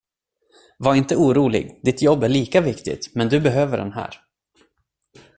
Var inte orolig, ditt jobb är lika viktigt, men du behöver den här.